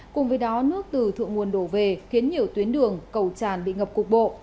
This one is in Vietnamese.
cùng với đó nước từ thượng nguồn đổ về khiến nhiều tuyến đường cầu tràn bị ngập cục bộ